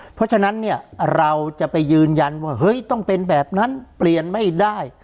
เพราะฉะนั้นเนี่ยเราจะไปยืนยันว่าเฮ้ยต้องเป็นแบบนั้นเปลี่ยนไม่ได้